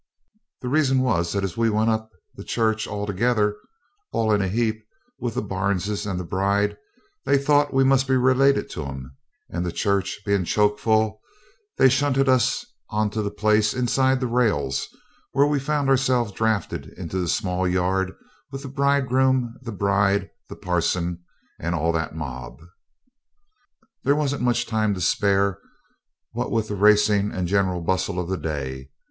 The reason was that as we went up the church all together, all in a heap, with the Barneses and the bride, they thought we must be related to 'em; and the church being choke full they shunted us on to the place inside the rails, where we found ourselves drafted into the small yard with the bridegroom, the bride, the parson, and all that mob. There wasn't much time to spare, what with the racing and the general bustle of the day.